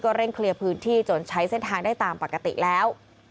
เร่งเคลียร์พื้นที่จนใช้เส้นทางได้ตามปกติแล้ว